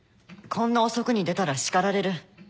こんな遅くに出たら叱られる。